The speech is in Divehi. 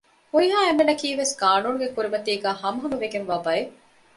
ހުރިހާ އެންމެންނަކީވެސް ޤާނޫނުގެ ކުރިމަތީގައި ހަމަހަމަވެގެންވާ ބައެއް